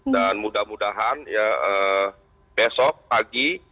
dan mudah mudahan besok pagi